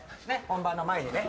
本番の前にね。